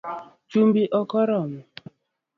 Chumbi okoromo